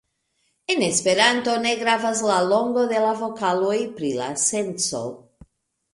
En Esperanto ne gravas la longo de la vokaloj pri la senco.